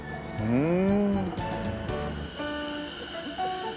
うん。